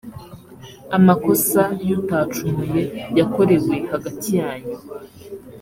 amakosa y’utacumuye yakorewe hagati yanyu,